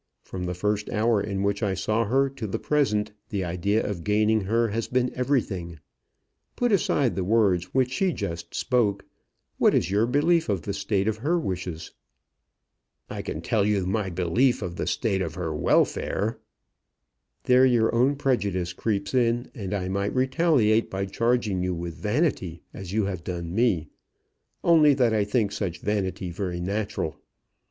From the first hour in which I saw her to the present, the idea of gaining her has been everything. Put aside the words which she just spoke, what is your belief of the state of her wishes?" "I can tell you my belief of the state of her welfare." "There your own prejudice creeps in, and I might retaliate by charging you with vanity as you have done me, only that I think such vanity very natural.